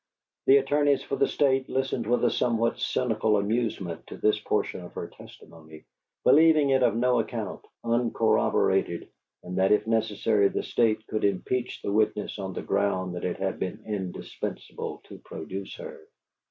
The attorneys for the State listened with a somewhat cynical amusement to this portion of her testimony, believing it of no account, uncorroborated, and that if necessary the State could impeach the witness on the ground that it had been indispensable to produce her.